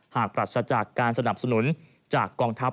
ปรัสจากการสนับสนุนจากกองทัพ